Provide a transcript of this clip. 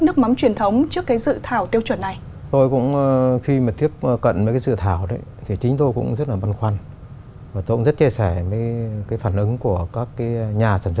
nước mắm truyền thống trước cái dự thảo tiêu chuẩn này